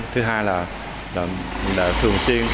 thứ hai là thường xuyên